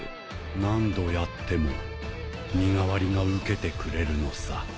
何度やっても身代わりが受けてくれるのさ。